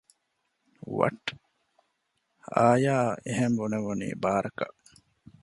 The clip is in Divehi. ވަޓް؟ އާޔާ އަށް އެހެން ބުނެވުނީ ބާރަކަށް